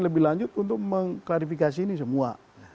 lebih lanjut untuk mengklarifikasi ini semua